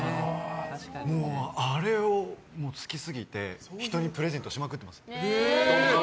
あれを好きすぎて人にプレゼントしまくってます。